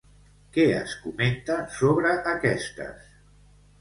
Què es comenta sobre aquestes?